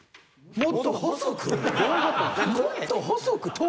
「もっと細く！」。